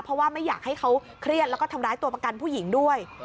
เพราะว่าไม่อยากให้เขาเครียดแล้วก็ทำร้ายตัวประกันผู้หญิงด้วย